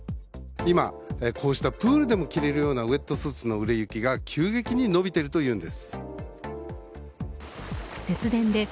今、こうしたプールでも着れるようなウェットスーツの売れ行きが急激に伸びているというんです。